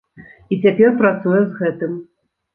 І цяпер працуе з гэтым.